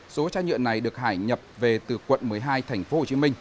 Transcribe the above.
số chai nhựa này được hải nhập về từ quận một mươi hai tp hcm